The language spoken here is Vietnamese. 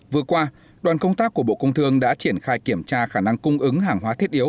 vừa qua đoàn công tác của bộ công thương đã triển khai kiểm tra khả năng cung ứng hàng hóa thiết yếu